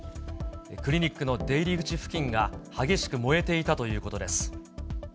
クリニックの出入り口付近が激しく燃えていたということです。